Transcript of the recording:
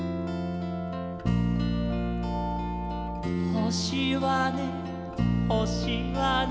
「ほしはねほしはね」